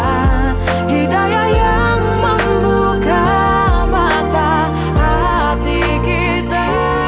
hidayah yang membuka mata hati kita